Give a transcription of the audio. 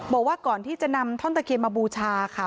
บอกว่าก่อนที่จะนำท่อนตะเคียนมาบูชาค่ะ